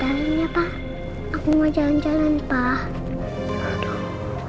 aku mau jalan jalan pak